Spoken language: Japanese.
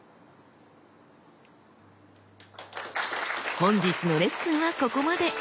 本日のレッスンはここまで。